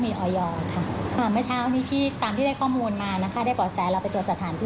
มีการขายจริงไหมขายสินค้าที่ไม่มีออยจริงไหมโดยตัวเขาเอง